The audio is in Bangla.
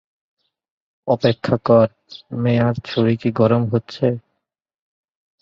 অপেক্ষা কর, মেয়ার ছুরি কি গরম হচ্ছে?